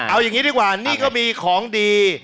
เอาอย่างนี้ดีกว่านี่ก็มีของดี